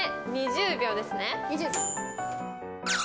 ２０秒ですね。